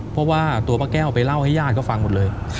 เพราะว่าตัวป้าแก้วไปเล่าให้ญาติก็ฟังหมดเลย